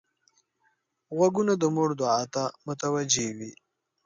غوږونه د مور دعا ته متوجه وي